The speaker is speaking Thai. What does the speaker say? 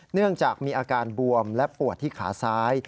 เนื่องจากมีอาการบวมและปวดที่ขาซ้าย